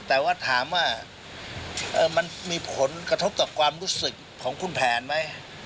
แต่ว่าถามว่ามันมีผลกระทบต่อความรู้สึกของคุณแผนไหม